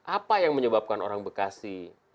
apa yang menyebabkan orang bekasi